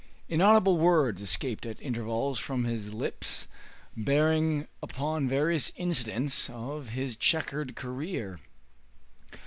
Inaudible words escaped at intervals from his lips, bearing upon various incidents of his checkered career.